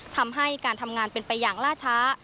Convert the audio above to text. ทำให้การทำงานเป็นไปอย่างล่าช้า